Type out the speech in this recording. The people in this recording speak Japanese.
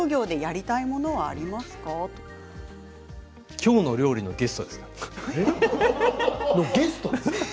「きょうの料理」のゲストですね。